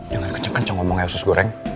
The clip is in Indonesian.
jangan kenceng kenceng ngomong ya sus goreng